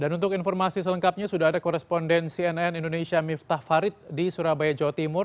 dan untuk informasi selengkapnya sudah ada koresponden cnn indonesia miftah farid di surabaya jawa timur